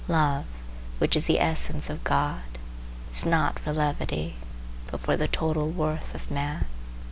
Love, which is the essence of God, is not for levity, but for the total worth of man.